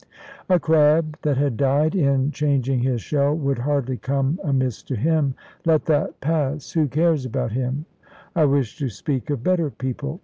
A crab that had died in changing his shell would hardly come amiss to him. Let that pass who cares about him? I wish to speak of better people.